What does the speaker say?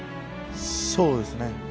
そうですね。